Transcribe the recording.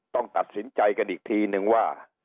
ต้องตัดสินใจกันอีกทีนึงว่า